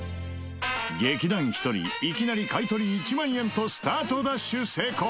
劇団ひとりいきなり買い取り１万円とスタートダッシュ成功！